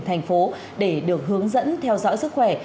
thành phố để được hướng dẫn theo dõi sức khỏe